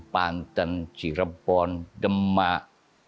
palembang panten cirebon demak